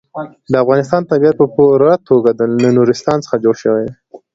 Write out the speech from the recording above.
د افغانستان طبیعت په پوره توګه له نورستان څخه جوړ شوی دی.